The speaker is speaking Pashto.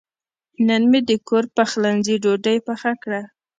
نن مې د کور پخلنځي ډوډۍ پخه کړه.